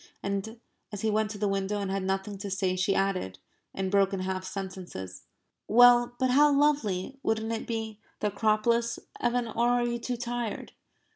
And, as he went to the window and had nothing to say she added, in broken half sentences: "Well, but how lovely wouldn't it be? The Acropolis, Evan or are you too tired?"